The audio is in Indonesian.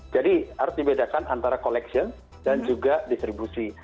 jadi harus dibedakan antara koleksi dan juga distribusi